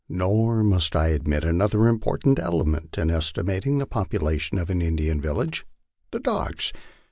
Nor must I omit another important element in estimating the population of an Indian village, the dogs.